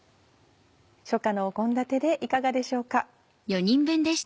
初夏の献立でいかがでしょうか。